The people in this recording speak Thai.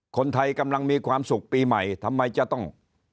คนไทยกำลังมีความสุขปีใหม่ทำไมจะต้อง